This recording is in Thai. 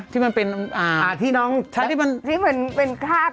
ที่มันเป็นอ่าที่น้องใช่ที่มันที่มันเป็นคาด